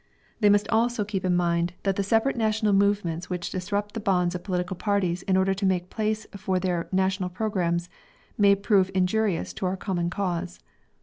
They must also keep in mind that the separate national movements which disrupt the bonds of political parties in order to make place for their national programmes, may prove injurious to our common cause.